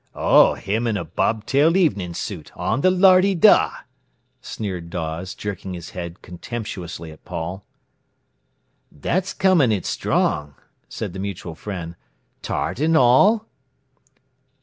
"Oh, him in a bob tailed evening suit, on the lardy da!" sneered Dawes, jerking his head contemptuously at Paul. "That's comin' it strong," said the mutual friend. "Tart an' all?"